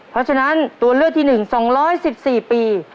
เพราะฉะนั้นตัวเลือกที่หนึ่งสองร้อยสิบสี่ปี